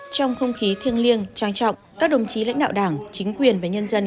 trong không khí thiêng liêng trang trọng các đồng chí lãnh đạo đảng chính quyền và nhân dân